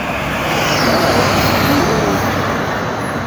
Dalawa ji orume